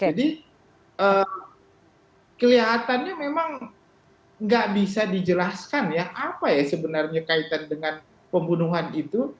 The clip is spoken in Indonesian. jadi kelihatannya memang nggak bisa dijelaskan ya apa ya sebenarnya kaitan dengan pembunuhan itu